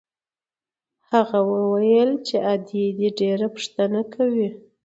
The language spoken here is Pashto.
هغه وويل چې ادې دې ډېره پوښتنه کوي.